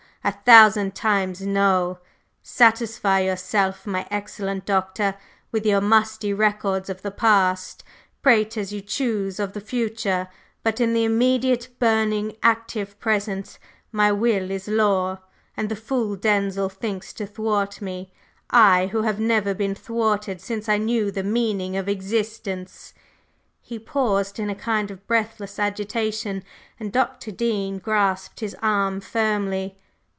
A thousand times no! Satisfy yourself, my excellent Doctor, with your musty records of the past, prate as you choose of the future, but in the immediate, burning, active present my will is law! And the fool Denzil thinks to thwart me, I, who have never been thwarted since I knew the meaning of existence!" He paused in a kind of breathless agitation, and Dr. Dean grasped his arm firmly.